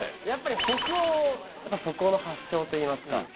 やっぱり北欧そこの発祥といいますか。